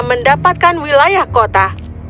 mendapatkan wilayah kota